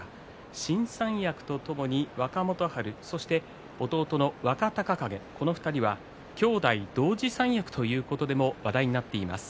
新三役とともに若元春、そして弟の若隆景２人は兄弟同時三役ということでも話題になっています。